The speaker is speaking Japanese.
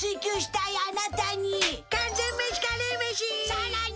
さらに！